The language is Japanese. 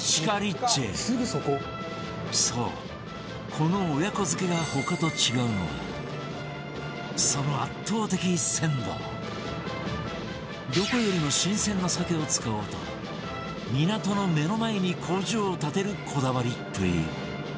そうこの親子漬が他と違うのはそのどこよりも新鮮な鮭を使おうと港の目の前に工場を建てるこだわりっぷり